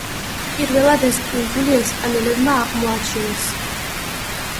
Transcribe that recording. პირველად ეს კუნძული ესპანელებმა აღმოაჩინეს.